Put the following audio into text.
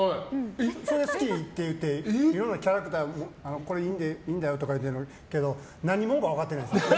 なのに好きって言っていろいろキャラクターいいんだよとか言ってるけど何者か分かってないんです。